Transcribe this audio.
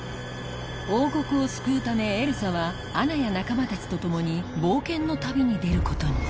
王国を救うためエルサはアナや仲間たちと共に冒険の旅に出ることに